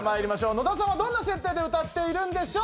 野田さんはどんな設定で歌っているんでしょう？